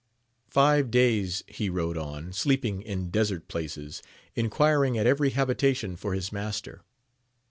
Five days he rode on, sleeping in desert places, enquiring at every habitation for his master.